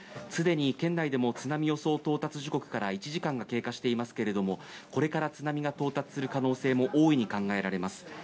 すでに県内でも津波の予想到達時刻から１時間が経過していますがこれから津波が到達する可能性も大いに考えられます。